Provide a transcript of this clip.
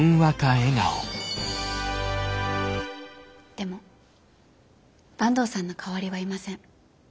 でも坂東さんの代わりはいません。